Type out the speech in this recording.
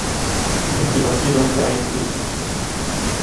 Es gewann jedoch Ryan Giggs.